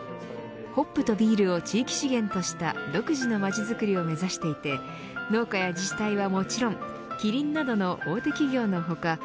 ホップとビールを地域資源とした独自のまちづくりを目指していて農家や自治体はもちろんキリンなどの大手企業の他